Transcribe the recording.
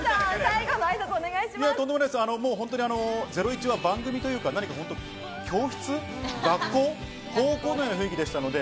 本当に『ゼロイチ』は番組というか、教室、学校、高校のような雰囲気でしたので。